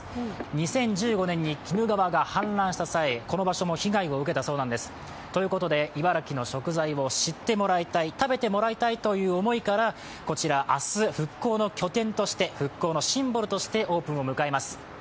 ２０１５年に鬼怒川が氾濫した際、この場所も被害を受けたそうです。ということで、茨城の食材を知ってもらいたい、食べてもらいたいという思いから、こちら、明日復興の拠点として、復興のシンボルとしてオープンを迎えます。